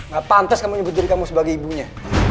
gak pantas kamu nyebut diri kamu sebagai ibunya